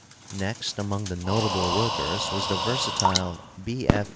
Next among the notable workers was the versatile B. F.